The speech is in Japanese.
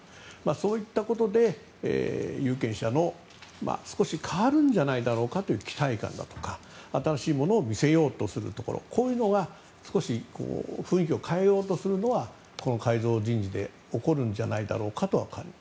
そういったことで、有権者の少し変わるんじゃないだろうかとそういう期待感だとか新しいものを見せようとするところこういう少し雰囲気を変えようとするのはこの改造人事で起こるんじゃないだろうかと。